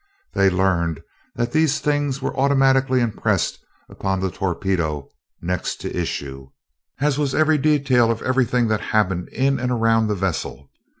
They learned that these things were automatically impressed upon the torpedo next to issue, as was every detail of everything that happened in and around the vessel.